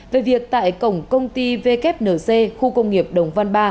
về việc tại cổng công ty wnc khu công nghiệp đồng văn ba